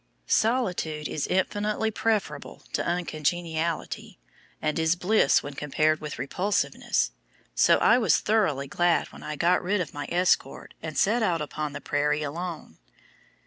Solitude is infinitely preferable to uncongeniality, and is bliss when compared with repulsiveness, so I was thoroughly glad when I got rid of my escort and set out upon the prairie alone.